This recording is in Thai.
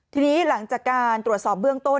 ทีนี้หลังจากการตรวจสอบเบื้องต้น